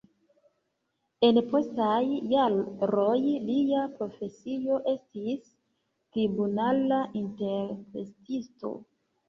En postaj jaroj lia profesio estis tribunala interpretisto.